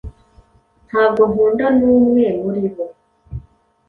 Ntabwo nkunda numwe muri bo.